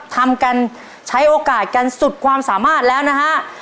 ทำกันใช้โอกาสกันสุดความสามารถแล้วนะฮะ